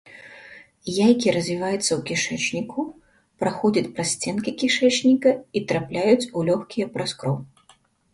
Яйкі развіваюцца ў кішэчніку, праходзяць праз сценкі кішэчніка і трапляюць у лёгкія праз кроў.